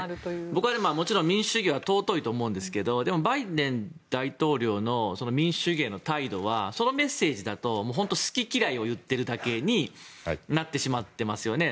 僕は民主主義は尊いと思うんですけどでも、バイデン大統領の民主主義への態度はそのメッセージだと本当に好き嫌いを言っているだけになってしまっていますよね。